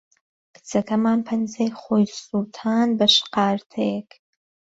کچەکەمان پەنجەی خۆی سووتاند بە شقارتەیەک.